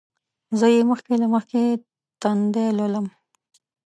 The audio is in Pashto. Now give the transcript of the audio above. زه یې مخکې له مخکې تندی لولم.